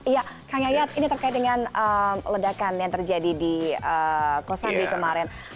ya kang yayat ini terkait dengan ledakan yang terjadi di kosambi kemarin